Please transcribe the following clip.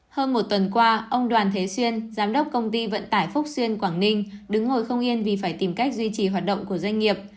hơn một tuần qua ông đoàn thế xuyên giám đốc công ty vận tải phúc xuyên quảng ninh đứng ngồi không yên vì phải tìm cách duy trì hoạt động của doanh nghiệp